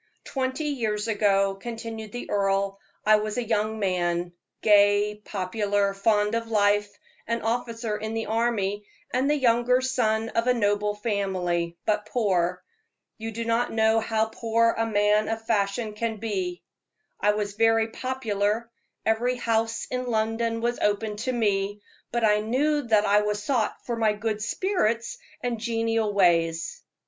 "Twenty years ago," continued the earl, "I was a young man, gay, popular, fond of life, an officer in the army, and the younger son of a noble family, but poor. You do not know how poor a man of fashion can be. I was very popular every house in London was open to me but I knew that I was sought for my good spirits and genial ways.